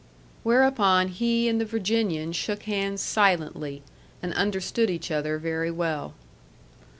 Whereupon he and the Virginian shook hands silently, and understood each other very well.